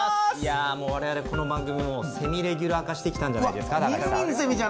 いやもう我々この番組セミレギュラー化してきたんじゃないんですかたかしさん。